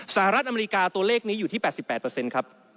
สหรัฐอเมริกาตัวเลขนี้อยู่ที่๘๘ครับ